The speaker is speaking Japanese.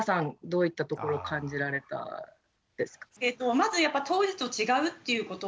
まずやっぱ当時と違うっていうことがですね